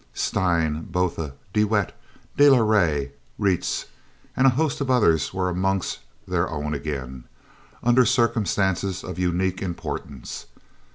Steyn, Botha, de Wet, de la Rey, Reitz, and a host of others were amongst "their own" again, under circumstances of unique importance.